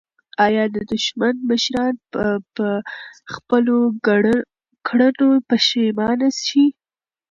آیا د دښمن مشران به په خپلو کړنو پښېمانه شي؟